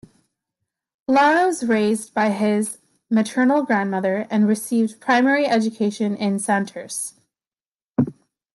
Lara was raised by his maternal grandmother and received primary education in Santurce.